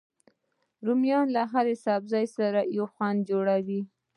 رومیان له هر سبزي سره یو خوند جوړوي